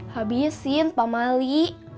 habisin pak mali